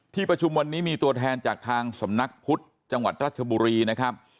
ประชุมวันนี้มีตัวแทนจากทางสำนักพุทธจังหวัดรัชบุรีนะครับ